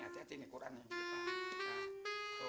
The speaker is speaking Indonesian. hati hati nih kurang di depan